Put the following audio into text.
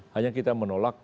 hanya kita menolak